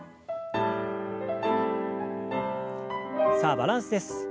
さあバランスです。